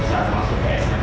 saat masuk smp